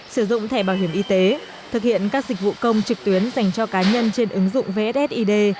sử dụng thẻ bảo hiểm y tế thực hiện các dịch vụ công trực tuyến dành cho cá nhân trên ứng dụng vssid